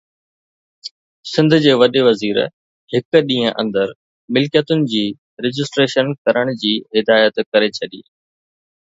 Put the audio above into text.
سنڌ جي وڏي وزير هڪ ڏينهن اندر ملڪيتن جي رجسٽريشن ڪرڻ جي هدايت ڪري ڇڏي